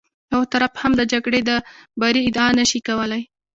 یو طرف هم د جګړې د بري ادعا نه شي کولی.